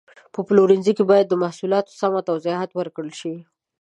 په پلورنځي کې باید د محصولاتو سمه توضیحات ورکړل شي.